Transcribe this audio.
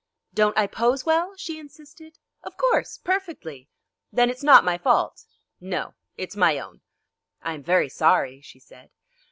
"Don't I pose well?" she insisted. "Of course, perfectly." "Then it's not my fault?" "No. It's my own." "I am very sorry," she said.